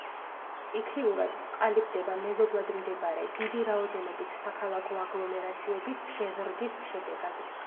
სტიქიურად ყალიბდება მეზობლად მდებარე დიდი რაოდენობით საქალაქო აგლომერაციების შეზრდის შედეგად.